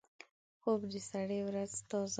خوب د سړي ورځ تازه کوي